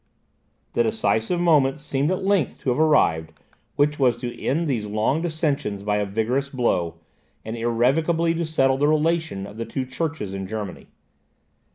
The decisive moment seemed at length to have arrived which was to end these long dissensions by a vigorous blow, and irrevocably to settle the relation of the two churches in Germany.